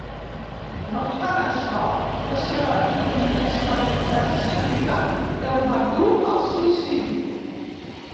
No obstant això, la seva inestabilitat psíquica el va dur al suïcidi.